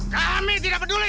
kami tidak peduli